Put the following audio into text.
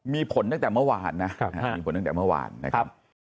มีผลแจกมาหวานะครับ